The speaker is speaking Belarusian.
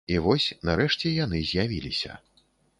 І вось, нарэшце, яны з'явіліся.